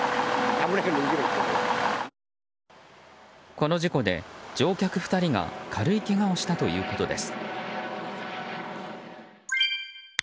この事故で乗客２人が軽いけがをしたということです。